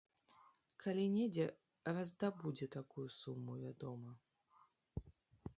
Калі недзе раздабудзе такую суму, вядома.